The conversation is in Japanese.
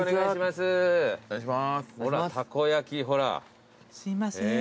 すいません。